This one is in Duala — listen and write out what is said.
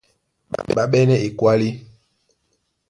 Ɓá ɓɛ́nɛ́ ekwálí,